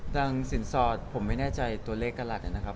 สินสอดผมไม่แน่ใจตัวเลขกระหลัดนะครับ